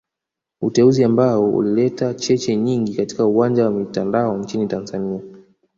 Uteuzi ambao ulileta cheche nyingi katika uwanja wa mitandao nchini Tanzania